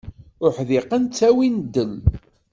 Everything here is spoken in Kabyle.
Uḥdiqen ttawin ddel.